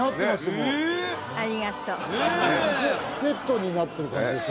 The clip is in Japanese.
もうセットになってる感じですよ